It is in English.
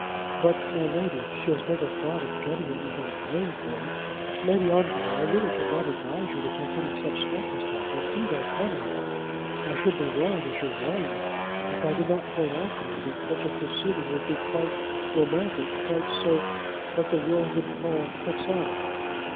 "But, my lady, she has never thought of getting it without paying for it. Lady Ongar, I really cannot advise you to take any such step as that. Indeed, I cannot. I should be wrong, as your lawyer, if I did not point out to you that such a proceeding would be quite romantic, quite so; what the world would call Quixotic.